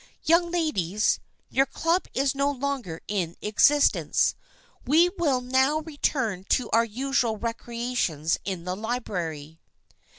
Young ladies, your Club is no longer in existence. We will now return to our usual recreations in the library."